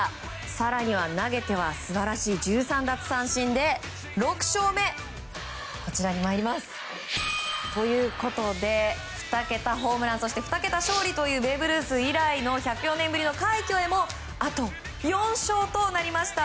更には、投げては素晴らしい１３奪三振で６勝目。ということで２桁ホームラン２桁勝利というベーブ・ルース以来の１０４年ぶりの快挙へもあと４勝となりました。